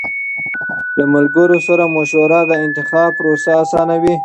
له ملګرو سره مشوره د انتخاب پروسه آسانوي.